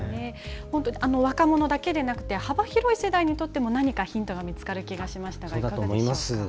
若者だけでなくて幅広い世代にとっても何かヒントが見つかる気がしましたがいかがですか。